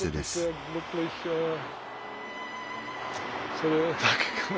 それだけかな。